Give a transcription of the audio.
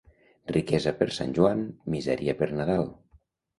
Riquesa per Sant Joan, misèria per Nadal.